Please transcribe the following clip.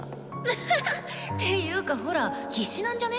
ハハッていうかほら必死なんじゃね？